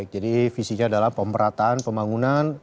jadi visinya adalah pemerataan pembangunan